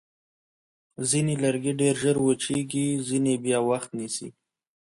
ځینې لرګي ډېر ژر وچېږي، ځینې بیا وخت نیسي.